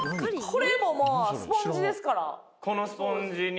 これももうスポンジですから。